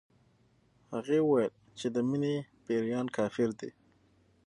هغې ويل چې د مينې پيريان کافر دي